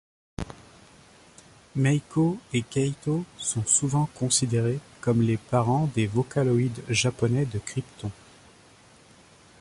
Meiko et Kaito sont souvent considérés comme les parents des Vocaloids japonais de Crypton.